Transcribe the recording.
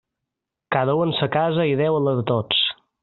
Cada u en sa casa i Déu en la de tots.